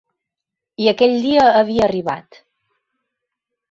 I aquell dia havia arribat.